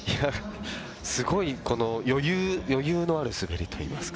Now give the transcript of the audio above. すごいこの余裕のある滑りといいますか。